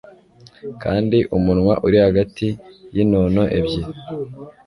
Kandi umunwa uri hagati yinono ebyiri